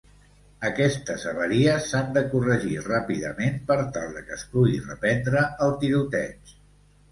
Aquestes avaries s'han de corregir ràpidament per tal que es pugui reprendre el tiroteig.